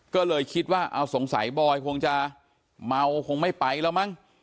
ก็เลยคิดว่าเอาสงสัยบอยคงจะเมาคงไม่ไปแล้วมั้ง